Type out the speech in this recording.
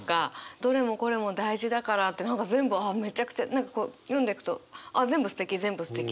「どれもこれも大事だから」って何か全部あめちゃくちゃ読んでいくとあ全部すてき全部すてきってなっていく。